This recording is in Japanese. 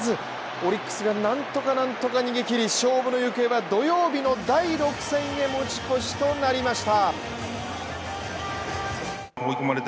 オリックスが何とか何とか逃げ切り勝負の行方は土曜日の第６戦へ持ち越しとなりました。